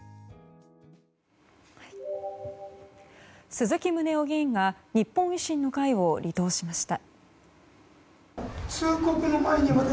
鈴木宗男議員が日本維新の会を離党しました。